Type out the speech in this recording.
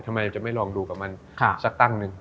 เราจะไม่ลองดูกับมันสักตั้งหนึ่ง